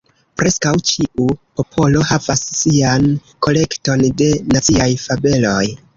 Preskaŭ ĉiu popolo havas sian kolekton de naciaj fabeloj.